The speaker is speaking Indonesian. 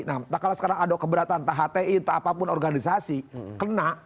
nah entah kalau sekarang ada keberatan entah hti entah apapun organisasi kena